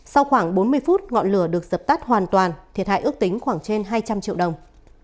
sau khoảng bốn mươi phút ngọn lửa được dập tắt hoàn toàn thiệt hại ước tính khoảng trên hai trăm linh triệu đồng